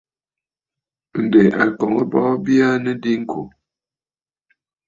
Ǹdè a kɔ̀ŋə̀ bɔɔ bya aa diŋkò.